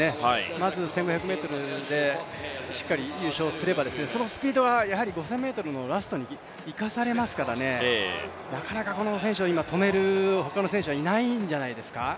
まず１５００ｍでしっかり入賞すればそのスピードはしっかり５０００ｍのラストに生かされますから、なかなかこの選手を止める他の選手はいないんじゃないですか。